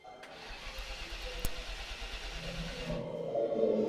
Kula chakula chenye vimelea vya ugonjwa huambukiza ndama ugonjwa wa kuhara